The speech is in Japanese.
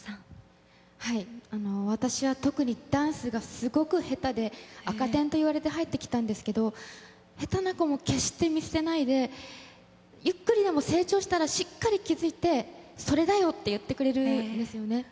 私は特にダンスがすごく下手で、赤点と言われて入ってきたんですけれども、下手な子も決して見捨てないで、ゆっくりでも成長したらしっかり気付いて、それだよって言ってくれるんですよね。